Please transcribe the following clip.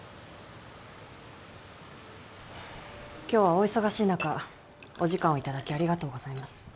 今日はお忙しい中お時間をいただきありがとうございます